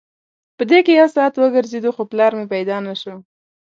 په دې کې یو ساعت وګرځېدو خو پلار مې پیدا نه شو.